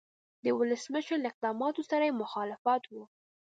د ولسمشر له اقداماتو سره یې مخالفت و.